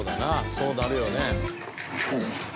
そうなるよね。